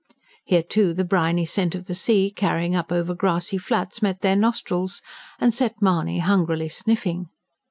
Here, too, the briny scent of the sea, carrying up over grassy flats, met their nostrils, and set Mahony hungrily sniffing.